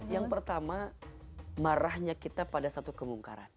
yang pertama marahnya kita pada satu kemungkaran